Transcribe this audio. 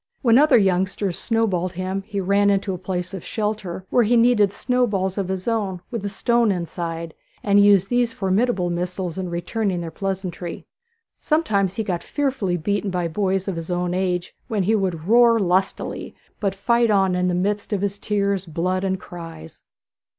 When other youngsters snowballed him he ran into a place of shelter, where he kneaded snowballs of his own, with a stone inside, and used these formidable missiles in returning their pleasantry. Sometimes he got fearfully beaten by boys his own age, when he would roar most lustily, but fight on in the midst of his tears, blood, and cries.